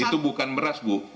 itu bukan beras bu